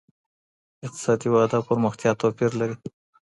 اقتصادي وده او پرمختيا توپير لري.